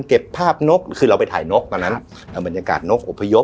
เก็บภาพนกคือเราไปถ่ายนกตอนนั้นเอาบรรยากาศนกอบพยพ